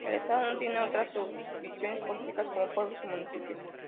El estado no tiene otras subdivisiones políticas, como pueblos o municipios.